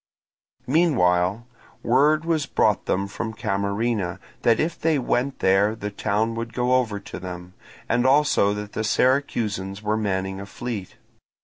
Meanwhile word was brought them from Camarina that if they went there the town would go over to them, and also that the Syracusans were manning a fleet.